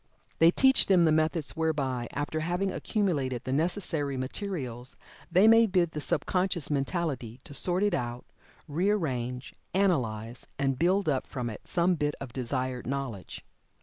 They teach them the methods whereby, after having accumulated the necessary materials, they may bid the sub conscious mentality to sort it out, rearrange, analyze, and build up from it some bit of desired knowledge.